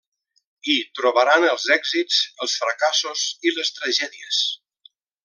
I trobaran els èxits, els fracassos i les tragèdies.